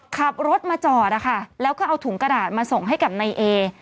ขับรถมาจอดนะคะแล้วก็เอาถุงกระดาษมาส่งให้กับนายเอ